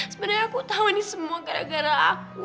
sebenarnya aku tahu ini semua gara gara aku